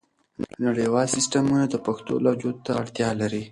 نړیوال سیسټمونه د پښتو لهجو ته اړتیا لري.